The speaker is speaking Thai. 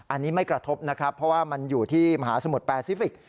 อันนี้ไม่กระทบนะครับเพราะว่ามันอยู่ที่มหาสมุทรแปซิฟิกส